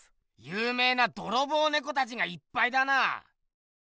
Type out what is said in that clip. ゆうめいなドロボウネコたちがいっぱいだな。